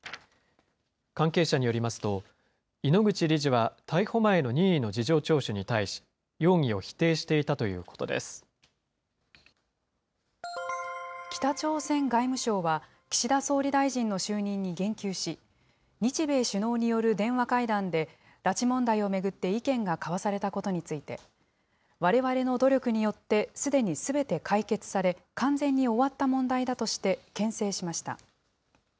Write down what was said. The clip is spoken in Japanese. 関係者によりますと、井ノ口理事は逮捕前の任意の事情聴取に対し、容疑を否定していたということで北朝鮮外務省は、岸田総理大臣の就任に言及し、日米首脳による電話会談で、拉致問題を巡って意見が交わされたことについて、われわれの努力によってすでにすべて解決され、完全に終わった問題だとしてけん制しました。